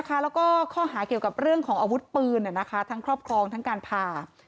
แล้วก็ข้อหาเกี่ยวกับเรื่องของอาวุธปืนทั้งครอบครองทั้งการผ่า